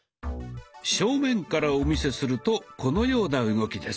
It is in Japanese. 正面からお見せするとこのような動きです。